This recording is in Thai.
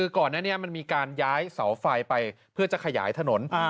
ก่อนหน้านี้มันมีการย้ายเสาไฟไปเพื่อจะขยายถนน